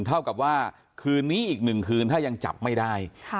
เท่ากับว่าคืนนี้อีก๑คืนถ้ายังจับไม่ได้